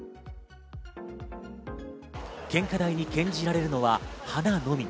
献花台に献じられるのは花のみ。